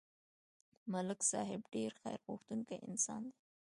ملک صاحب ډېر خیرغوښتونکی انسان دی